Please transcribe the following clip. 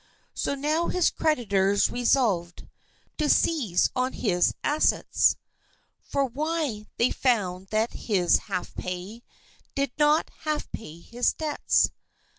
So now his creditors resolved To seize on his assets; For why, they found that his half pay Did not half pay his debts.